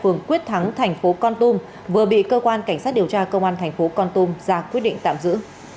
phường quyết thắng thành phố con tum vừa bị cơ quan cảnh sát điều tra công an thành phố con tum ra quyết định tạm giữ